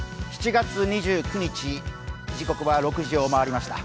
７月２９日、時刻は６時を回りました。